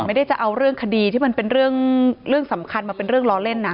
ไม่ได้จะเอาเรื่องคดีที่มันเป็นเรื่อง